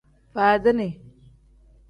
Faadini.